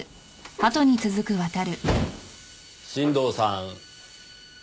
新堂さん。